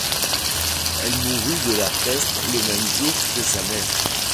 Elle mourut de la peste le même jour que sa mère.